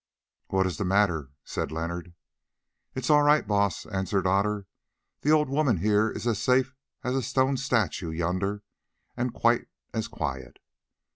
"What is the matter?" said Leonard. "It is all right, Baas," answered Otter; "the old woman here is as safe as a stone statue yonder and quite as quiet.